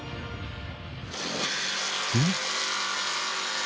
えっ？